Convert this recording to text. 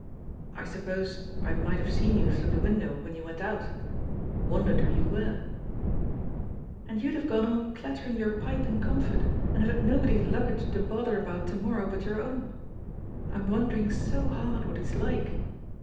•.• I suppose I might have seen you through the window when you went out — wondered who you were I'* "And you'd have gone aa clattering your pipe in comfort and have had nobody's luggage to bother about to morrow but your own. I'm won dering so hard what he's like."